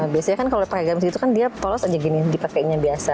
biasanya kan kalau pakai gamis gitu kan dia polos aja gini dipakainya biasa